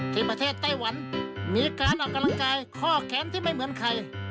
ที่ประเทศไต้หวันมีการออกกำลังกายข้อแขนที่ไม่เหมือนใคร